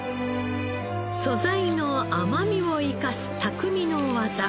素材の甘みを生かす匠の技。